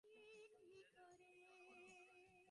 ছেলে দুটিকে আনবার ব্যবস্থা করে দেব।